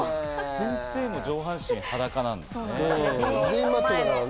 先生も上半身、裸なんですね。